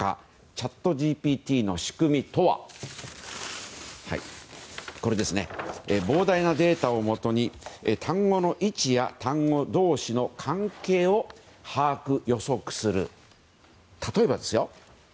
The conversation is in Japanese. チャットＧＰＴの仕組みとは膨大なデータをもとに単語の位置や単語同士の関係を把握・予測する。